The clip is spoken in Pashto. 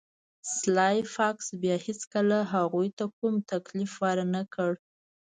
سلای فاکس بیا هیڅکله هغوی ته کوم تکلیف ورنکړ